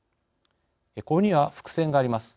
これには伏線があります。